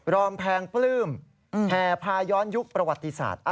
อมแพงปลื้มแห่พาย้อนยุคประวัติศาสตร์